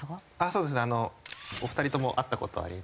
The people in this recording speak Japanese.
そうですねお二人とも会った事あります。